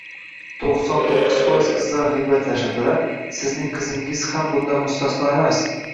To'qson to'qqiz foiz qizlar g‘iybatlashadilar, sizning qizingiz ham bundan mustasno emas.